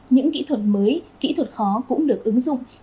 những kỹ thuật mới kỹ thuật khó cũng được ứng dụng